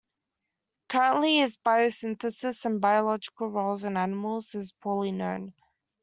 Currently, its biosynthesis and biological role in animals is poorly known.